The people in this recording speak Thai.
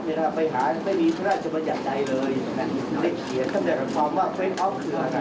สิ่งแท้เกี่ยวไม่เคยมีเพราะว่าเฟสต์ออฟคืออะไร